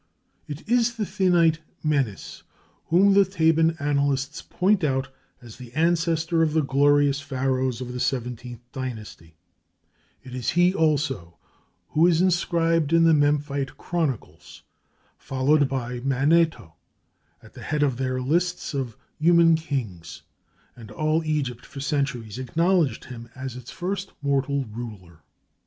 It is the Thinite Menes, whom the Theban annalists point out as the ancestor of the glorious Pharaohs of the XVIII dynasty: it is he also who is inscribed in the Memphite chronicles, followed by Manetho, at the head of their lists of human kings, and all Egypt for centuries acknowledged him as its first mortal ruler.